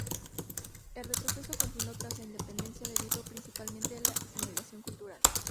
El retroceso continuó tras la independencia, debido principalmente a la asimilación cultural.